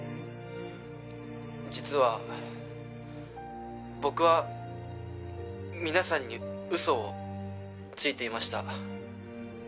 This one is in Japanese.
「実は僕は皆さんに嘘をついていました」